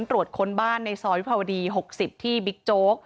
ตรวจค้นบ้านในซอยวิภาวดี๖๐ที่บิ๊กโจ๊ก